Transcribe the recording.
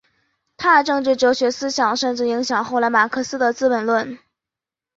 他的政治哲学思想甚至影响后来马克思的资本论。